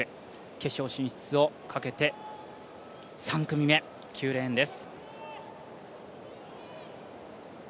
決勝進出をかけて３組目、９レーンです。